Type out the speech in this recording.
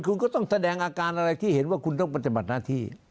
คุณก็ต้องแสดงอาการอะไรที่เห็นว่าคุณต้องปฏิบัติหน้าที่